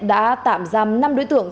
đã tạm giam năm đối tượng